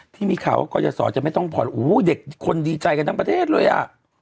ที่มีข่าวว่ากรยาศรจะไม่ต้องผ่อนโอ้โหเด็กคนดีใจกันทั้งประเทศเลยอ่ะ